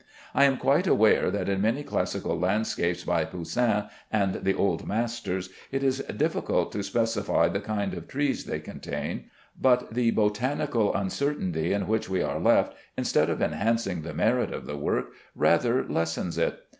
I am quite aware that in many classical landscapes by Poussin and the old masters, it is difficult to specify the kind of trees they contain, but the botanical uncertainty in which we are left, instead of enhancing the merit of the work, rather lessens it.